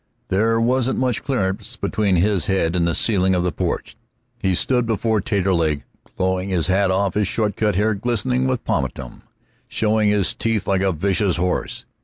There wasn't much clearance between his head and the ceiling of the porch. He stood before Taterleg glowing, his hat off, his short cut hair glistening with pomatum, showing his teeth like a vicious horse.